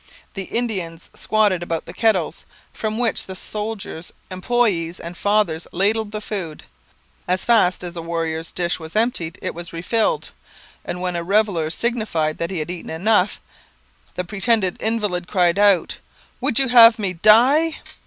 The Indians squatted about the kettles, from which the soldiers, employees, and fathers ladled the food; as fast as a warrior's dish was emptied it was refilled; and when a reveller signified that he had eaten enough, the pretended invalid cried out: 'Would you have me die?'